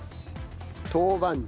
豆板醤。